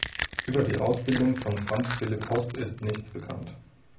Über die Ausbildung von Franz Philip Hosp ist nichts bekannt.